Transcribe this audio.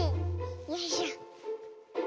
よいしょ。